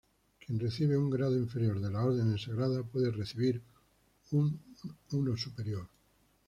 Quien recibe un grado inferior de las órdenes sagradas puede recibir una superior.